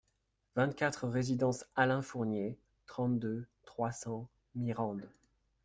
vingt-quatre résidence Alain Fournier, trente-deux, trois cents, Mirande